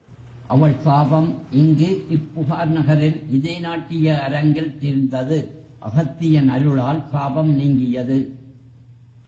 அவள் சாபம் இங்கு இப்புகார் நகரில் இதே நாட்டிய அரங்கில் தீர்ந்தது அகத்தியன் அருளால் சாபம் நீங்கியது.